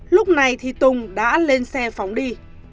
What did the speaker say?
lúc này thì tùng đã lên xe phóng đi